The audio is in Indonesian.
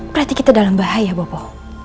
berarti kita dalam bahaya boboh